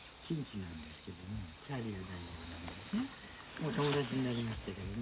もう友達になりました。